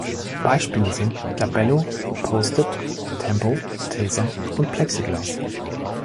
Beispiele sind „Labello“, „Post-It", „Tempo“, „Tesa“ und „Plexiglas“.